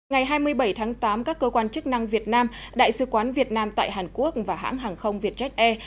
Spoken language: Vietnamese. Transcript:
ngày hai mươi bảy tháng tám các cơ quan chức năng việt nam đại sứ quán việt nam tại hàn quốc và hãng hàng không vietjet air